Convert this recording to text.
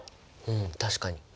うん確かに。